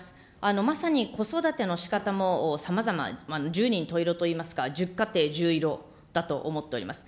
まさに子育ての仕方もさまざま、十人十色といいますか、１０家庭１０色だと思っております。